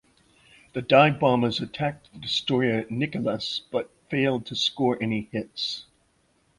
The dive bombers attacked the destroyer Nicholas but failed to score any hits.